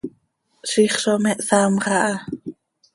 Ziix zo me hsaamx aha.